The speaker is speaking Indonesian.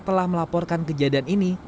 telah melaporkan kejadian ini